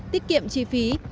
tiết kiệm chi phí